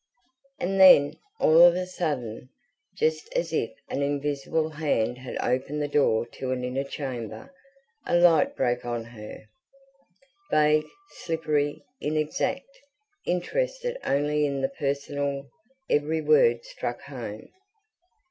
And then, all of a sudden, just as if an invisible hand had opened the door to an inner chamber, a light broke on her. Vague, slippery, inexact, interested only in the personal every word struck home.